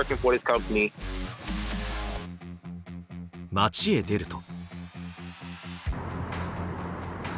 街へ出ると。